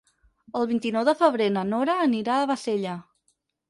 El vint-i-nou de febrer na Nora anirà a Bassella.